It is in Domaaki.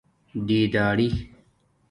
دِیداری